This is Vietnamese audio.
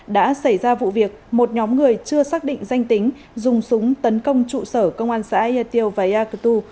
đã xảy ra vụ việc một nhóm người chưa xác định danh tính dùng súng tấn công trụ sở công an xã yatio veyakutu